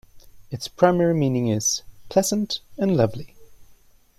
Its primary meaning is "pleasant and lovely".